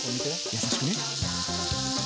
優しくね。